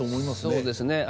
そうですね。